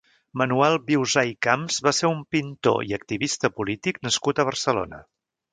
Manuel Viusà i Camps va ser un pintor i activista polític nascut a Barcelona.